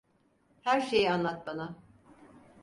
Her şeyi anlat bana.